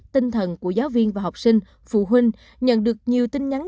tinh thần của giáo viên và học sinh phụ huynh nhận được nhiều tin nhắn